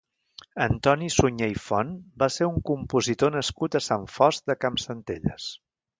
Antoni Suñé i Font va ser un compositor nascut a Sant Fost de Campsentelles.